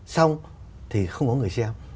xong thì không có người xem